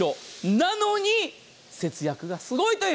なのに節約がすごいという。